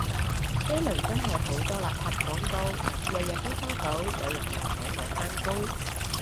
呢輪真係好多垃圾廣告，日日都收到有人話請我返工